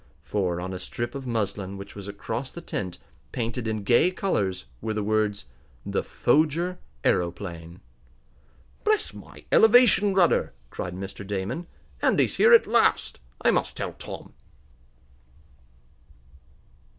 For, on a strip of muslin which was across the tent, painted in gay colors, were the words: THE FOGER AEROPLANE "Bless my elevation rudder!" cried Mr. Damon. "Andy's here at last! I must tell Tom!"